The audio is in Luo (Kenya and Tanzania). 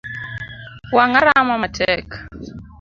Wanga rama matek.